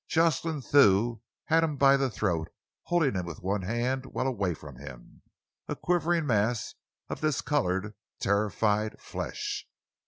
Jocelyn Thew had him by the throat, holding him with one hand well away from him, a quivering mass of discoloured, terrified flesh.